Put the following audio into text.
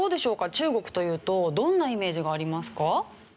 中国というとどんなイメージがありますか？